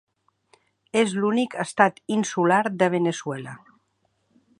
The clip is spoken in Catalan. És l'únic estat insular de Veneçuela.